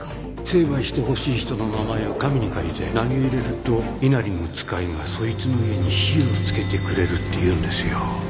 成敗してほしい人の名前を紙に書いて投げ入れると稲荷の遣いがそいつの家に火をつけてくれるっていうんですよ。